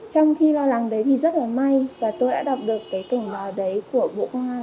trong khi lo lắng đấy thì rất là may và tôi đã đọc được cái cảnh báo đấy của bộ công an ở trên mạng